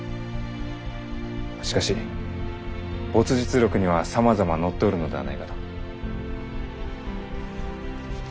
しかし没日録にはさまざま載っておるのではないかと。